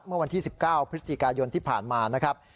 เมื่อวันที่๑๙พยที่ผ่านมา